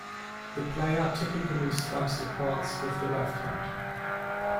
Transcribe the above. The player typically strums the chords with the left hand.